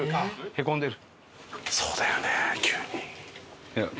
へこんでる。